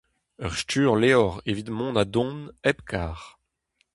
Ur sturlevr evit mont ha dont hep karr.